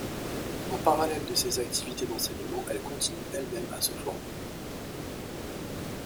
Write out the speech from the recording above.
En parallèle de ses activités d'enseignement, elle continue elle-même à se former.